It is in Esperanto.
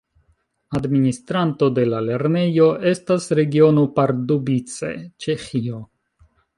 Administranto de la lernejo estas Regiono Pardubice, Ĉeĥio.